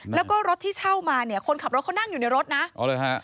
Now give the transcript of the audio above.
แล้วก็รถที่เช่ามาเนี่ยคนขับรถเขานั่งอยู่ในรถนะอ๋อเลยฮะ